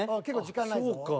結構時間ないぞ。